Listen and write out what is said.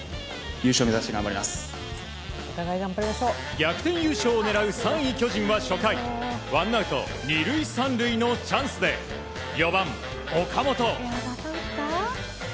逆転優勝を狙う３位、巨人は初回、ワンアウト２塁３塁のチャンスで４番、岡本。